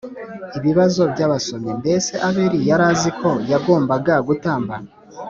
Ibibazo by abasomyi Mbese Abeli yari azi ko yagombaga gutamba